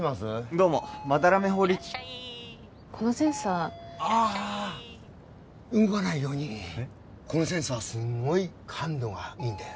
どうも斑目法律いらっしゃいこのセンサーああ動かないようにこのセンサーすごい感度がいいんだよ